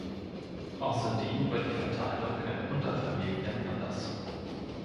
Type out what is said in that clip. Außerdem war die Verteilung in Unterfamilien anders.